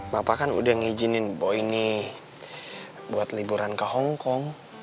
bapak kan udah ngijinin boy nih buat liburan ke hongkong